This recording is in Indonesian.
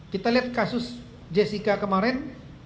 kita lihat kasus jessica kemarin